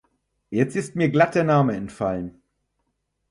Jetzt ist mir glatt der Name entfallen.